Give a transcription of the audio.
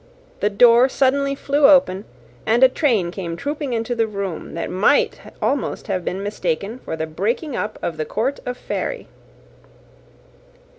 The door suddenly flew open, and a train came trooping into the room, that might almost have been mistaken for the breaking up of the court of Fairy.